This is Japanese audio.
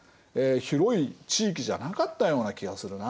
広い地域じゃなかったような気がするな。